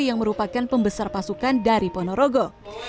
yang merupakan pembesar pasukan dari ponorogo